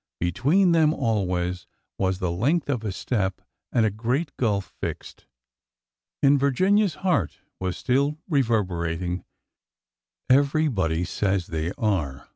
Between them always was the length of the step and a great gulf fixed. In Virginia's heart was still reverberating, Everybody says they are.